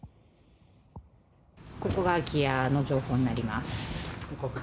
ここが空き家の情報になります。